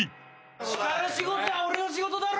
力仕事は俺の仕事だろ！